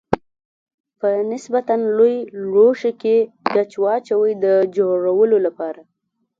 په نسبتا لوی لوښي کې ګچ واچوئ د جوړولو لپاره.